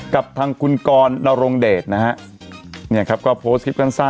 กับทางคุณกอลอารงเดตนะฮะนี่ครับก็โพสท์กล้า